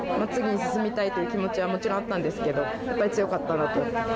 次に進みたいという気持ちはもちろんあったんですけどやっぱり強かったなと。